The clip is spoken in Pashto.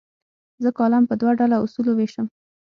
زه کالم په دوه ډوله اصولو ویشم.